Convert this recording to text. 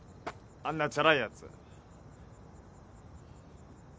あんなチャラいやつ。